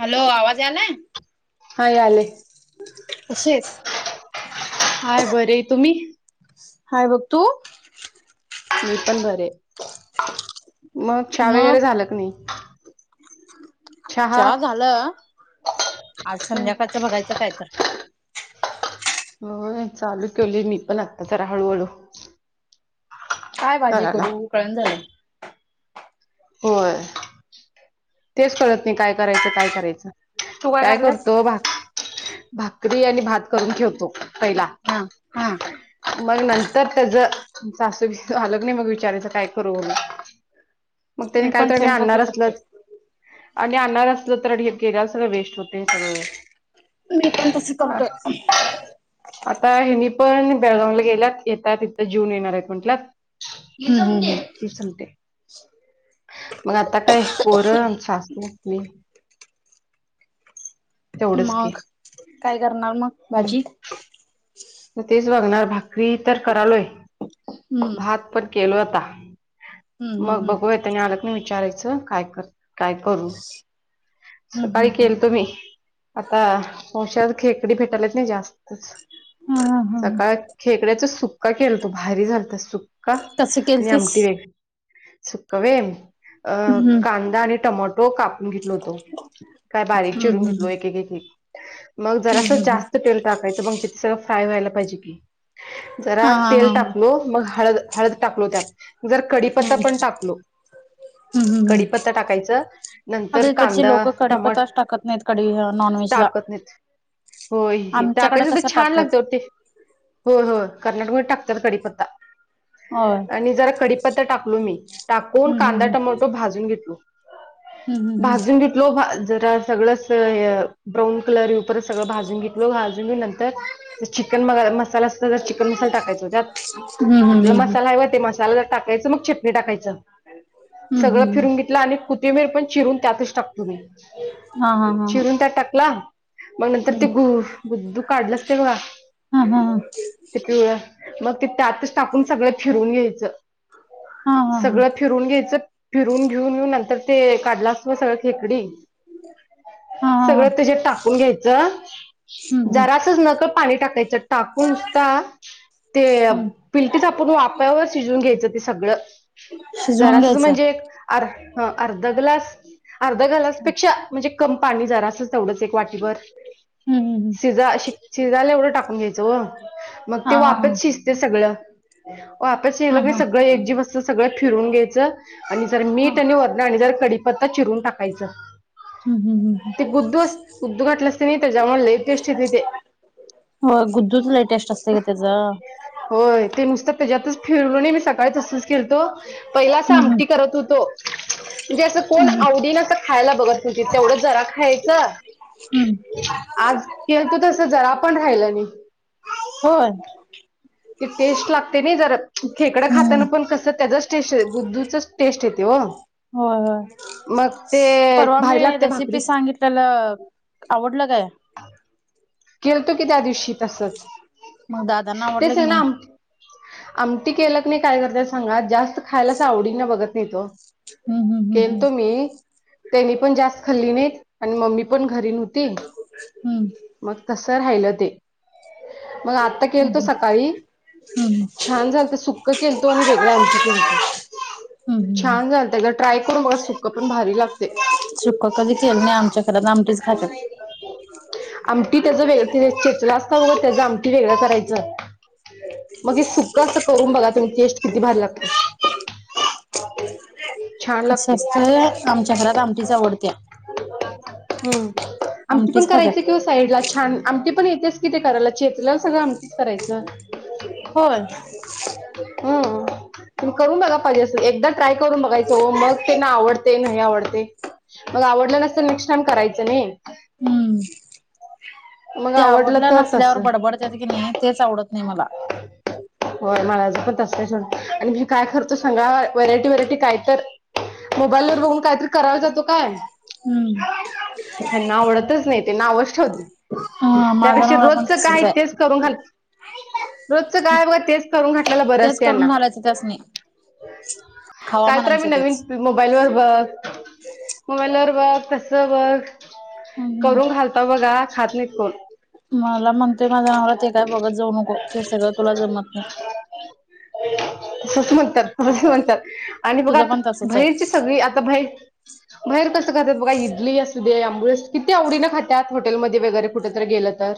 Hello आवाज यालाय? हा. यायलय कशी आहेस? हाय बरी आहे, तुम्ही? हाय बघ तू मी पण बरे मग चहा वगैरे झालं क नाही? चहा झालं आज संध्याकाळचं बघायचं काय तर. होय चालू केवली मी पल आत्ता जरा हळूहळू. काय भाजी करायला. करू कळण झालय. होय तेच कळत नाही काय करायच काय करायच. तू काय करायल्यास? करतो भाक भाकरी आणि भात करून ठेवतो पहिला. हां हां. मग, नंतर त्याच सासू बी स आलं की नाही मग विचारायचं मग काय करू ओ मी. मग त्यानी काय पण तर मी सेम तसं आणणार करतोय. असलत. आणि आणणार असलं तर डी केल्या सगळं वेस्ट होते सगळं. मी पण तसी हा, करतोय. आता हेनी पण बेळगावला गेल्यात येतात तिथं जीऊन येणार आहेत म्हटलंत. हम्म हम्म इचमते हम्म इचमटे मग आता काय पोरं अन सासू, मी. तेवढंच की मग काय करणार मग हम्म. भाजी? तेच बघणार भाकरी तर करालोय हम्म भात पण केलो आता. हम्म मग हम्म बघूया त्यांनी आलं क नाय विचारायचं काय कर काय करू हम्म हम्म सकाळी हम्म हम्म केलतो मी आता वशात खेकडी भेटायलीत नाही जास्त. हा हा हा. सकाळ खेकड्याचा सुप काय केलंत भारी झालतं, सुक्का कसं आणि केलतीस? आमटी वेगळी सुक्का वेम अ हम्म कांदा आणि टमाटो कापून घेतल होतो. का बारीक हम्म चिरून हम्म घेतलोय एक-एक मग हम्म हम्म जरासा हम्म हम्म जास्त तेल टाकायचं मंग तेचा फ्राय व्हायला पाहिजे की जरा हा हा तेल हा हा हम्म टाकलो मग हळद हळद टाकलो त्यात जर कढीपत्ता पण टाकलो हम्म कढीपत्ता टाकायचं नंतर इकडची कांदा लोकं टमाट कढीपत्ताच टाकत नाहीत कडी अ नॉनव्हेजला. टाकत नाहीत होय टाकायचं हे कसं छान टाकतात लागते ओ ते. हो हो कर्नाटकमुळे टाकतात कडीपत्ता होय आणि जरा कडी पत्ता टाकलोय मी टाकून हम्म कांदा, हम्म टमॅटो भाजून घेतलो. हम्म भाजून घेतलो भा जरा सगळच हे य ब्राऊन कलर परत, सगळं भाजून घेतल भाजून घेऊन नंतर ते चिकन मअ मसाला असतं ते चिकन मसाला टाकायचा त्यात, हम्म कुठल्या हम्म हम्म मसाला आये वय टाकायचं मग चिटणी टाकायचं हम्म हम्म हम्म सगळं हम्म फिरून घेतलं आणि कुतेमेर पण चिरून त्यातच टाक तो मी चिरून त्यात टाकला मग नंतर ते गु बुदू काढलंच तेव हा हा हा ते पिवळं मग ते त्यातच टाकून सगळं फिरून घ्यायचं. हा हा हा सगळं फिरून घ्यायचं फिरून घेऊन येऊन नंतर ते काढला असतो सगळं खेकडी हा हा हा हा हा सगळं त्याच्यात टाकून घ्यायचं हम्म हम्म जरासच नकप पाणी टाकायचं टाकून नुसता ते हम्म पिलटीचा आपण वाप्यावर शिजवून घ्यायचं ते सगळं. शिजवून जरासच घ्यायचं म्हणजे अर अर्ध ग्लास अर्ध गलासपेक्षा म्हनजे कम पाणी जरासंच तेवढच एक वाटीभर हम्म हम्म शिजा शी शिजायला एवडं टाकून घ्यायचं व मग हा ते हा वापेत शिजते सगळं वापेत हा शिजललं कनयी हा हा सगळ हा एकजी वत चं सगळं फिरून घ्यायचं आणि जरा मीठ आणि वरनं आणि जर कडीपत्ता चिरून टाकायचं. हम्म हम्म हम्म ते गूद्दूस गूदू घाटलं असते नाही ते त्याज्यामुळे लई टेस्ट येते ते. हो गुद्दूच लेटेस्ट असते गं त्याचं. होय ते नुसतं त्याच्यातच फिरवून ही मी सग काय तसच केलतो पहिला सा हम्म आमटी करत होतो. म्हणजे असं कोण हम्म आवडी न असं खायला बघत [unintelligible] तेवढं जरा खायचं. हम्म आज केलतो तसं जरा पण राहिलं नाही. होय ती टेस्ट लागते ना जरा खेकडं हम्म खाताना पण कसं त्याज्यास टेच गुद्दुचा टेस्ट येते ओ. होय होय परवा मी भारी लागते रेसिपी भाकरीच सांगित त्याला आवडलं काय? केलतो की त्या दिवशी तसच मग दादांना आवडलं तेच की ना नाही आम आमटी केलं क नऐ काय करतयात सांगा जास्त खायलाच आवडी ना बघत नाय तो. हम्म हम्म हम्म केलतो मी त्यानी पण जास्त खाल्ली नाहीत आणि मम्मी पण घरी नव्हती. हम्म मग तस राहिलं ते मग आता हम्म केलतो सकाळी हम्म छान झालत सुकं केलतो आणि वेगळा आमटी केलतो हम्म हम्म छान झालत जर ट्राय करू बघा सुकं पण भारी लागतय सुकं कधी केलं नाई आमच्या घरात न आमटीच खातात. आमटी त्याचं वे ते चेचला असता बघ त्याचं आमटी वेगळं करायचं. मग हे सुकं असं करून बघा तुमी टेस्ट किती भारी लागते. छान कसं लागते असतया आमच्या घरात आमटीच आवडतीया. हम्म आमटी पण आमटीच करायची खात्यात ते साईड ला छान आमटी पन येतेच कि ते करायला चेप तुला सगळं आमटीच करायचं होय हां. तुम्ही करून बघा पाहिजे असं एकदा ट्राय करून बगायचं ओ मग तेना आवडते नाही आवडते मग आवडलं नसतं नेक्स्ट टाइम करायचं नई. हम्म मग ते आवडलं तर नसल्यावर तसं बडबडतयात की नअई तेच आवडत नाय मला. वय मलाज पण तसच आणि मी काय करतो सांगा वरायटी वरायटी काय तर मोबाईल वर बघून कायतरी करायला जातो काय? हम्म हेंना आवडतच नई ते नावष्ट ठेवतेत माझा त्यापेक्षा नवरा पण रोजच कायहाय तसच तेच आहे करून घाल रोजच काय आहे बघा तेच. करून घातलेल बरं तेच असतय, करून यांना घालायचं त्यासनी खावा काहीतरी म्हणायचं आम्ही तेच नवीन मोबाईलवर बघ मोबाईलवर बघ तस बघ. हम्म हम्म करून घालता बघा खात नाही कोण. मला म्हणतोय माझा नवरा ते काय बघत जाऊ नको तसं काय तुला जमत नाही. तस म्हणतात, तस म्हणतात आणि बघ तुझं आता पण तसच आहे. बहीरची सगळी आता बहीर बाहेर कसं खात्यात बघा इडली असू द्या आंबोळी असो किती आवडीने खात्यात हॉटेलमध्ये वगैरे कुठेतरी गेलं तर.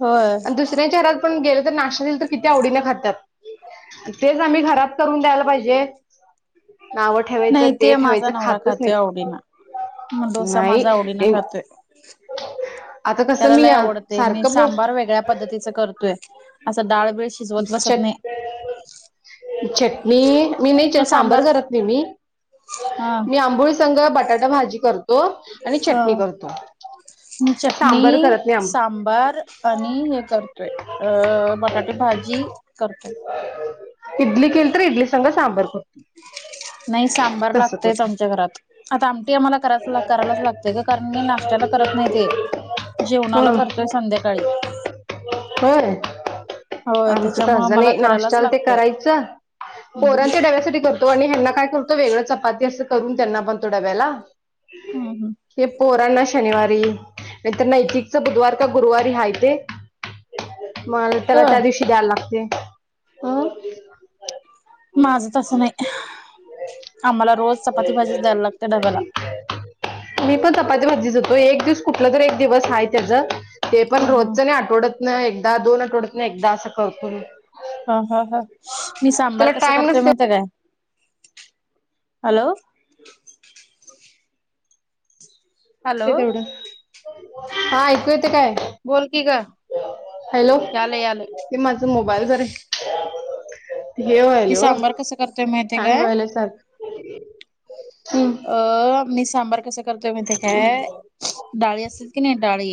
होय. आणि दुसऱ्यांच्या घरात पण गेले तर नाशतल तर किती आवडीने खातात आणि तेच आम्ही घरात करून द्यायला पाहिजे. नावं ठेवायचं नाही ते माझा ठेवायचं नवरा खातच खातोय नाहीत आवडीनं. मग डोसा नाही माझा आवडीनें ए- खातोय. आता कसं त्याला मी लय अ, आवडते मी सारखं बोल सांबार वेगळ्या पद्धतीच करतोय असं डाळबिळ [unintelligible] चट मी मी नाहीच, तू सांबर सांबार करत नाही मी हा मी आंबोळीच संग बटाटा भाजी कर तो आणि चटणी करतो मी सांबर चटणी करत नाही आम्ही सांबार आणि हे करतोय अ बटाटे भाजी करतोय. इडली केली तर इडली संग सांबर करतोय. नाही सांबार लागतयच करतो आमच्या घरात. आता आमटी आम्हाला कराय करायलाच लागते, का कारण मी नाश्त्याला करत नाही ते. जेवणाला करतोय संध्याकाळी. बरं होय, त्याच्यामुळे ज नाही नाष्टयाला ते करायचं हम्म पोरांच्या डब्यासाठी करतो तो आणि ह्यांना काय करतो, वेगळं चपाती असं करून त्यांना बांधतो डब्याला हम्म हे पोरांना शनिवारी, नाही तर नैतिकचा बुधवार त गुरुवारी हायते मग आणि त्याला होय त्या दिवशी द्यायला लागते. हं. माझं तसं नाही, आम्हाला रोज चपाती, भाजीच द्यायला लागत्या डब्याला मी पण, चपाती, भाजीच देतो एक दिवस, कुठलातरी एक दिवस हाय त्याचं. ते पण ह ह रोजचं नाही, आठवडत न एकदा, दोन आठवडत न एकदा, असं करतो मी हा हा हा. मी सांबार त्याला कसं टाइम करतोय नसते माहित आहे काय? हॅलो. हॅलो ते तेवढं हा, ऐकू येतय काय बोल की ग हॅलो? यालय यालय हे माझा मोबाईल जरा हे, मी व्हायलय ओ सांबार कसं करतोय माहितीय हँग काय? व्हायलय सारखं. अ. मी सांबार कस करतोय माहीतय काय? डाळी असतेत की नाही डाळी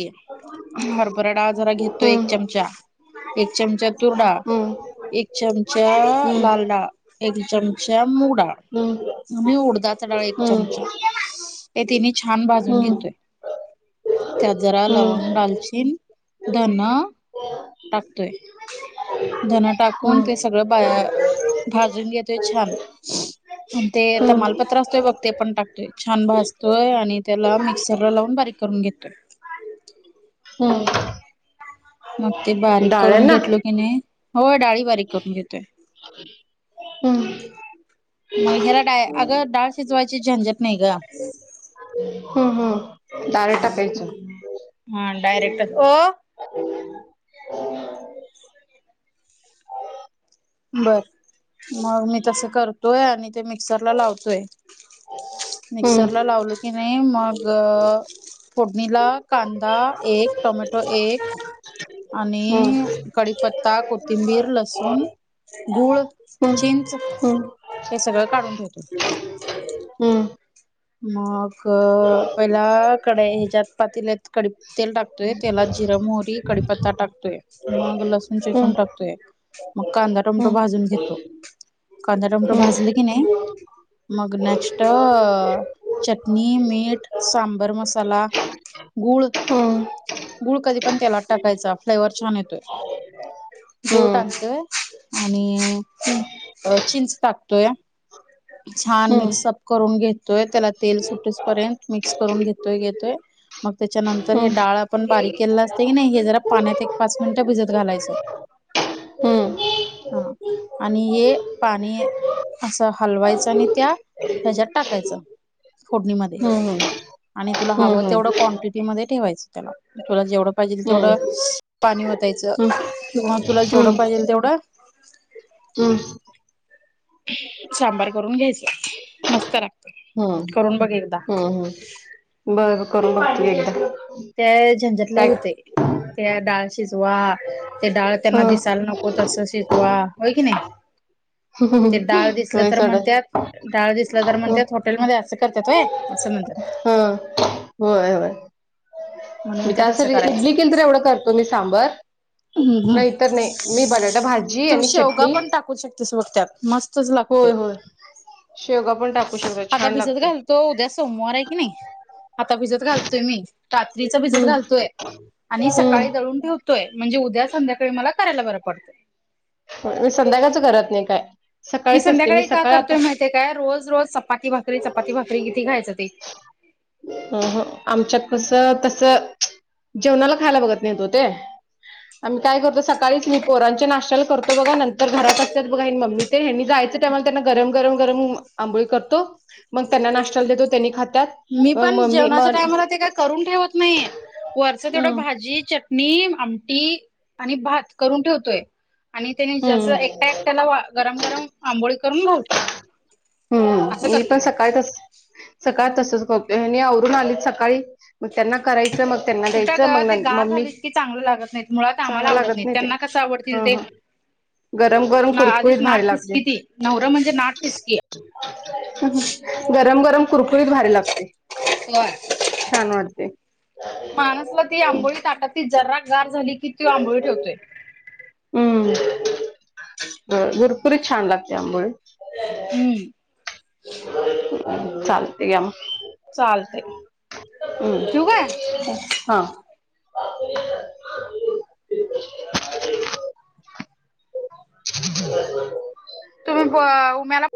हरभराडाळ जरा घेतो एक, हम्म चमचा एक चमचा तुरडाळ, एक चमचा हम्म लालडाळ, एक चमचा मुगडाळ. हम्म आणि उडदाचा डाळ एक हम्म हम्म चमचा. ये तिनी छान भाजून घेतोय त्यात जरा हम्म हम्म लवंग दालचीन धनो [inaudible] तोय धनं टाकून ते सगळं बा भाजून घेतोय छान आणि ते हम्म हम्म तमालपत्र असतोय बघ ते पण टाकतोय छान भासतोय आणि त्याला मिक्सर ला लावून बारीक करून घेतोय हम्म. मग ते बारीक करून डाळ्यांना घेतलो की नाही हो डाळी बारीक करून घेतोय हम्म मग ह्याला डाळ अगं डाळ शिजवायची झंझट नाही ग. हम्म हम् दार टाकायची हा डायरेक्ट हो [inaudible] [unintelligible] बर मग मी तस करतोय आणि ते मिक्सरला लावतोय हम्म मिक्सरला लावलो की नाही मग फोडणीला कांदा एक टोमॅटो एक आणि हम्म कडीपत्ता को कोथिंबीर लसूण गूळ चिंच हम्म हे सगळं काढून ठेवतो. हम्म मग पहिलं कढयी ह्याच्यात पातेल्यात कडी तेल टाकतोय तेलात जिरं मोहरी कडीपत्ता टाकतोय. मग लसूण चेचून हम्म हम्म टाकतोय मग कांदा टोमॅटो हम्म भाजून घेतो. कांदा टमटो हम्म भाजलं की नाही मग नेक्स्ट चटणी मीठ सांबर मसाला गुळ हम्म गूळ कधी पण तेलात टाकायचा फ्लेवर छान येतो. गूळ टाकतोय आणि हम्. अ चिंच टाकतोय छान हम्म हम्म मिक्सअप करून घेत तोय त्याला तेल सुटे पर्यंत मिक्स करून घेतोय घेतोय मग त्याच्यानंतर हे हम्म हम्म डाळ पण बारीक केला असते की नाही हे जरा पाण्यात एक पाच मिनिटं भिजत घालायचं. हम्म हा. आणि हे पाणी असं हलवायचं आणि त्या ह्याच्यात टाक कायचं फोडणीमध्ये हम्म आणि तुला हवं तेवढं क्वांटिटी मध्ये ठेवायचं त्याला तुला जेवढं पाहिजे हम्म तेवढं पाणी ओतायचं हम्म किंवा तुला जेवढं पाहिजेल तेवढं हम्. सांबार करून घ्यायच, मस्त लागतं करून बघ एकदा. हम हम. बरं करून बघते एकदा. त्या झंझटले काय होते त्या डाळ शिजवा ते डाळ त्यांना दिसायला नको को तसं शिजवा होय की नाही? ते डाळ दिसलं होय तर सोडा म्हणत्यात डाळ दिसलं तर म्हणत्या त हा मध्ये करत्यात होय असं म्हणतात. हा होय होय. म्हणून मी ते तसं तरं करायचं इडली केल तरच एवढं करते मी सांबर. हम्म हम् नाही तर नाही मी बटाटा भाजी तू आणि शेवगा चटणी पण टाकू शकतेस ब त्यात मस्त असंच होय लागते. होय शेवगा पण टाकू शेवगा छान लागत घालतो उद्या सोमवार आहे की नाही आता भिजत घालतोय मी. इडलीचं भिजत हम्म घालतोय आणि हम्म सकाळी दळून ठेवतो. तोय म्हणजे उद्या संध्याकाळी मला करायला बरं पडतय. मी संध्याकाळच करत नाही काय मी सकाळीच असते संध्याकाळी का सकाळी आता करतोय माहितीय काय रोज रोज चपाती भाकरी चपाती भाकरी किती खायचं ते. अहं अहं आमच्यात कसं तसं जेवणाला खायला बघत नाहीत, वो ते आम्ही काय करतो सकाळी काळीच मी पोरांच्या नाष्ट्याला करतो बघा नंतर घरात असत्यात बघा हे मम्मी ते ह्यांनी जायचं टायमाला त्यांना गरम गरम गरम आंबोळी करतो मग त्यांना नाश्ताला देतो त्यांनी खात्याात मी पण जेवणाच्या टायमाला ते काही करून ठेवत नाहीे वरच तेवढं हम्म भाजी चट नीम आमटी आणि भात करून ठेवतोय आणि त्याने जस हम्म एकटा त्याला वा गरम गरम आंबोळी करून घालतोय. असं हम्म मी पण करतोय सकाळतच सकाळ तसच घोप्पे ह्यांनी आवरून आली सकाळी मग त्यांना करायचं मग त्यांना कुठं द्यायचं ग मंग ते नं गार मम्मी झाली इतकी चांगलं लागत नाहीत मुळात आम्हाला चांगल आवडत लागत नाहीत नाय ते. त्यांना कसं आवडतील हा ते हा गरम गरम आधीच कुरकुरीत नाट भारी ठिसकी लागते. ती नवरं म्हणजे नाट ठिसकी गरम गरम कुरकुरीत भारी लागते. छान वाटते. माणसला ती आंबोळी ताकाती जर्रा गार झाली की ती आंबोळी ठेवतोय. हम्म भरपुरी छान लागते आंबोळी. हम्म. चालतंय या मग. चालते ठेवू काय? हम्म हा. [inaudible] तुम्ही ब उम्याला